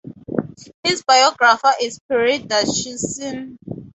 His biographer is Pierre Duchesne.